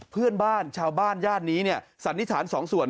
เพื่อนบ้านชาวบ้านย่านนี้สันนิษฐานสองส่วน